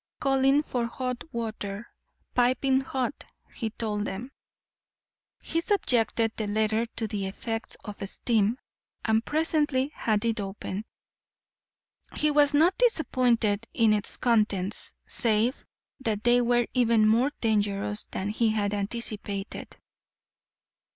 Calling for hot water "piping hot," he told them he subjected the letter to the effects of steam and presently had it open. He was not disappointed in its contents, save that they were even more dangerous than he had anticipated.